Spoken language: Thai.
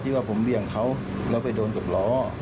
ที่ผมเหลวงเขาไปโดนกับหลอ